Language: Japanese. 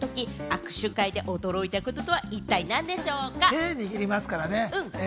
手、握りますからね。